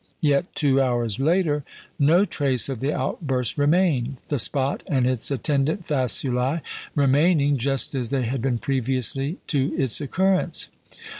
Yet two hours later, no trace of the outburst remained, the spot and its attendant faculæ remaining just as they had been previously to its occurrence.